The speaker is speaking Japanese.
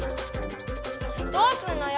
どうすんのよ！